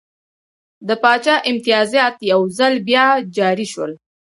د پاچا امتیازات یو ځل بیا جاري شول.